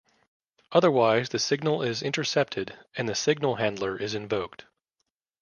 Otherwise the signal is intercepted and the signal handler is invoked.